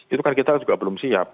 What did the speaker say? itu kan kita juga belum siap